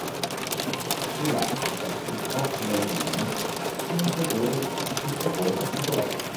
Elastica e cartilaginea; senza odore e sapore particolare.